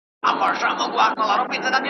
د ذهني، فرهنګي-ژواک- کلتوري